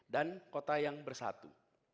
dan kota yang bersatu